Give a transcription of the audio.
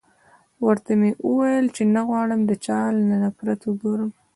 ورته و مې ويل چې نه غواړم د چا له نفرت وګورم.